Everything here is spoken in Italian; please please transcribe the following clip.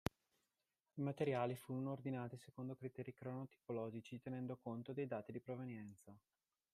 I materiali furono ordinati secondo criteri crono-tipologici, tenendo conto dei dati di provenienza.